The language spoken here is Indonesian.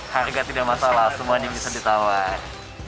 harga tidak masalah semua ini bisa ditawar